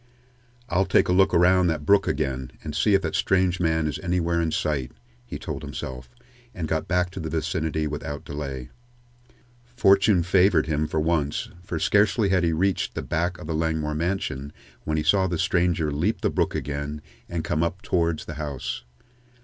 "I'll take a look around that brook again, and see if that strange man is anywhere in sight," he told himself, and got back to the vicinity without delay. Fortune favored him for once, for scarcely had he reached the back of the Langmore mansion when he saw the stranger leap the brook again and come up towards the house.